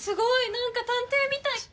なんか探偵みたい！